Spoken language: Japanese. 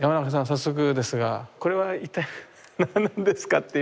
早速ですがこれは一体何なんですか？